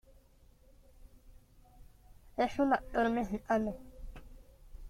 Es un Actor mexicano.